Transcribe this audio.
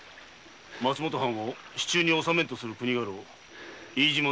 松本藩を手中にせんとする国家老・飯島の手の者だ。